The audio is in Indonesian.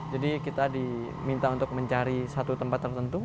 jadi kita diminta untuk mencari satu tempat tertentu